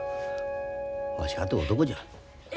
わしかて男じゃ。